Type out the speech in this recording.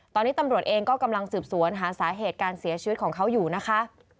ตอนนี้ตำรวจเองก็กำลังสืบสวนหาสาเหตุการเสียชีวิตของเขาอยู่นะคะ